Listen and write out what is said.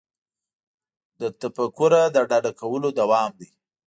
له تفکره د ډډه کولو دوام دی.